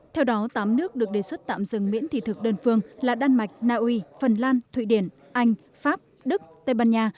theo đó tám nước được đề xuất tạm dừng miễn thị thực đơn phương là đan mạch naui phần lan thụy điển anh pháp đức tây ban nha